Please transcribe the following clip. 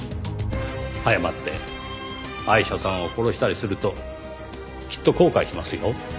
早まってアイシャさんを殺したりするときっと後悔しますよ。